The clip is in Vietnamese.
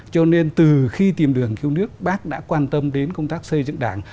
cho nên từ khi tìm đường cứu nước bác đã quan tâm đến công tác xây dựng đảng